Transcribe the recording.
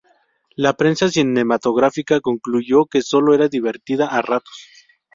La prensa cinematográfica concluyó que sólo era divertida a ratos.